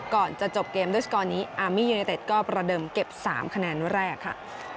ก่อนจะจบเกมด้วยสกอร์นี้อามียูเนเต็ดก็ประเดิมเก็บ๓คะแนนแรกค่ะ